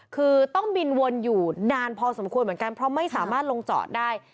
คือต้องบินวนอยู่นานพอสมควรเหมือนกันเพราะไม่สามารถลงจอดได้